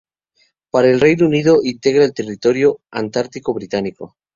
Para el Reino Unido integra el Territorio Antártico Británico.